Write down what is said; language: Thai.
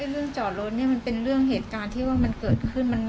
เรื่องจอดรถนี่มันเป็นเรื่องเหตุการณ์ที่ว่ามันเกิดขึ้น